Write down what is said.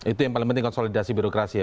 itu yang paling penting konsolidasi birokrasi ya